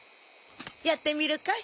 やってみるかい？